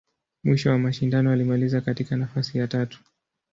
Mwisho wa mashindano, alimaliza katika nafasi ya tatu.